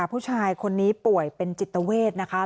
ผู้ชายคนนี้ป่วยเป็นจิตเวทนะคะ